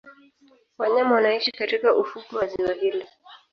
Wanyama wanaishi katika ufukwe wa ziwa hili